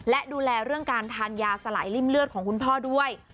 และดูแลเรื่องการทานยาสลายริ่มเลือดของคุณพ่อด้วย